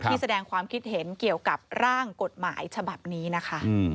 แสดงความคิดเห็นเกี่ยวกับร่างกฎหมายฉบับนี้นะคะ